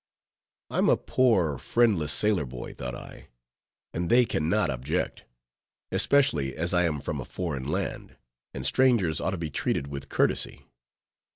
I'm a poor, friendless sailor boy, thought I, and they can not object; especially as I am from a foreign land, and strangers ought to be treated with courtesy.